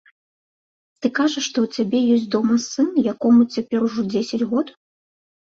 Ты кажаш, што ў цябе ёсць дома сын, якому цяпер ужо дзесяць год?